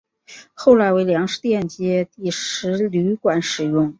后来为粮食店街第十旅馆使用。